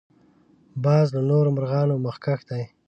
باز له نورو مرغانو مخکښ دی